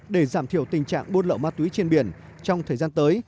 để giảm thiểu tình trạng buôn lậu ma túy trên biển trong thời gian tới